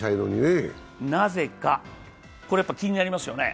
なぜか、気になりますよね。